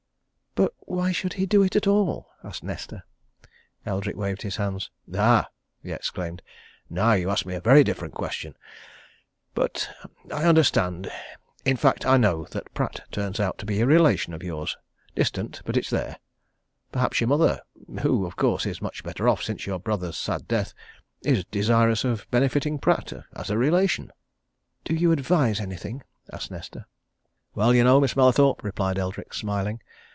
"But why should he do it at all?" asked Nesta. Eldrick waved his hands. "Ah!" he exclaimed. "Now you ask me a very different question! But I understand in fact, I know that Pratt turns out to be a relation of yours distant, but it's there. Perhaps your mother who, of course, is much better off since your brother's sad death is desirous of benefiting Pratt as a relation." "Do you advise anything?" asked Nesta. "Well, you know, Miss Mallathorpe," replied Eldrick, smiling.